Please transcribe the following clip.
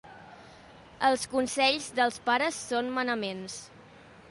Els consells dels pares són manaments.